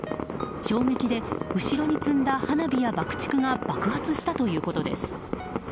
衝撃で後ろに積んだ花火や爆竹が爆発したということです。